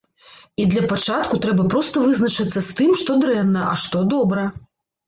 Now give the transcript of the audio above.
І для пачатку трэба проста вызначыцца з тым, што дрэнна, а што добра.